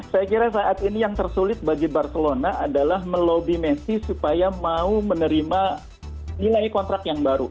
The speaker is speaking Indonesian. saya kira saat ini yang tersulit bagi barcelona adalah melobi messi supaya mau menerima nilai kontrak yang baru